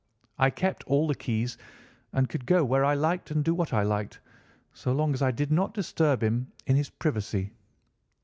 I kept all the keys and could go where I liked and do what I liked, so long as I did not disturb him in his privacy.